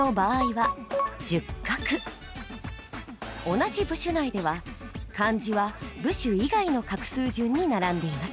同じ部首内では漢字は部首以外の画数順に並んでいます。